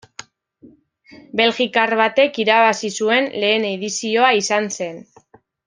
Belgikar batek irabazi zuen lehen edizioa izan zen.